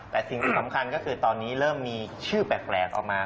แต่สิ่งที่สำคัญก็คือตอนนี้เริ่มมีชื่อแปลกออกมา